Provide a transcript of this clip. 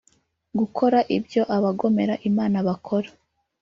Gukora ibyo abagomera Imana bakora